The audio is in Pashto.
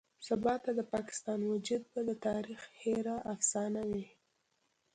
سباته د پاکستان وجود به د تاريخ هېره افسانه وي.